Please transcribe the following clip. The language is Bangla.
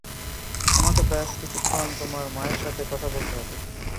আমাকে ব্যস কিছুক্ষণ তোমার মায়ের সাথে কথা বলতে হবে।